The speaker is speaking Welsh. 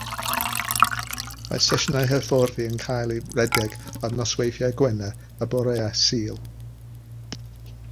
Mae sesiynau hyfforddi'n cael eu rhedeg ar nosweithiau Gwener a boreau Sul.